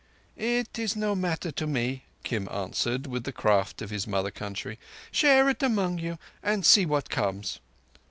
"It is no matter to me." Kim answered, with the craft of his mother country. "Share it among you, and see what comes!"